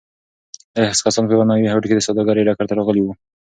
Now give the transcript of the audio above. لس کسان په یوه نوي هوډ د سوداګرۍ ډګر ته راغلي وو.